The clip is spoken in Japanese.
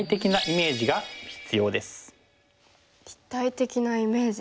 立体的なイメージですか。